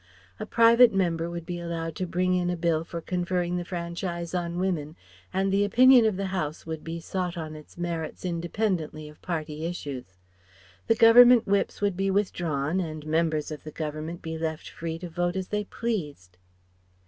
A private member would be allowed to bring in a Bill for conferring the franchise on women, and the opinion of the House would be sought on its merits independently of party issues. The Government Whips would be withdrawn and members of the Government be left free to vote as they pleased.